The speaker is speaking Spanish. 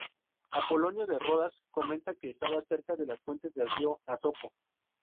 Apolonio de Rodas comenta que estaba cerca de las fuentes del río Asopo.